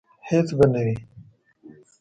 هیڅ به نه وي